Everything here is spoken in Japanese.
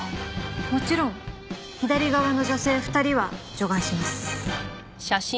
もちろん左側の女性２人は除外します。